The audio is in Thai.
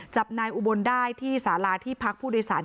จับนายอุบลได้ที่สาราที่พักผู้โดยสาร